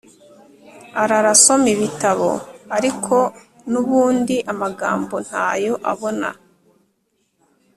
Arara asoma ibitabo ariko nubundi amagambo ntayo abona